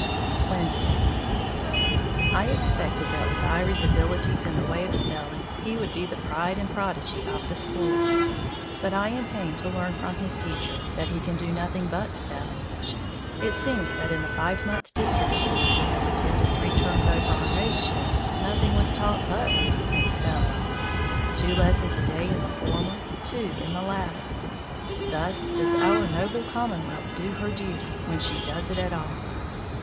Wednesday. I expected that with Iry's abilities in the way of spelling, he would be the pride and prodigy of the school; but I am pained to learn from his teacher that he can do nothing but spell. It seems that in the five month district school he has attended three terms over on Rakeshin, nothing was taught but reading and spelling, two lessons a day in the former, two in the latter, thus does our noble commonwealth do her duty when she does it at all!